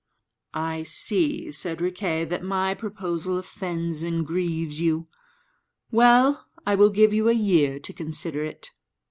"I see," said Riquet, "that my proposal offends and grieves you. Well, I will give you a year to consider it."